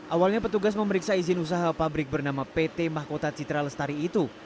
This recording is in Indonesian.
awalnya petugas memeriksa izin usaha pabrik bernama pt mahkota citra lestari itu